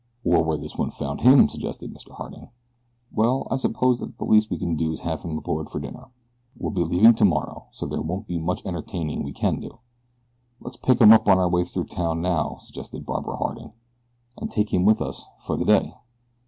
"Or where this one found him," suggested Mr. Harding. "Well, I suppose that the least we can do is to have him aboard for dinner. We'll be leaving tomorrow, so there won't be much entertaining we can do." "Let's pick him up on our way through town now," suggested Barbara Harding, "and take him with us for the day.